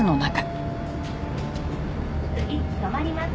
「次止まります」